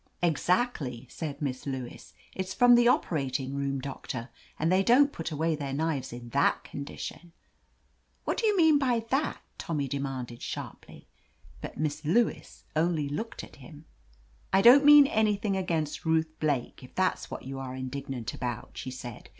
"Exactly," said Miss Lewis. "It's from the operating room, Doctor, and they don't put away their knives in that condition." "What do you mean by that?" Tommy de manded sharply. But Miss Lewis only looked at him. "I don't mean anything against Ruth Blake, if that's what you are indignant about," she said.